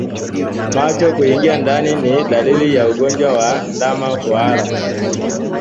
Macho kuingia ndani ni dalili ya ugonjwa wa ndama kuhara